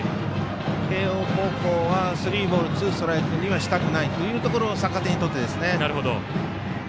慶応高校はスリーボールツーストライクにしたくないところを逆手にとってですね。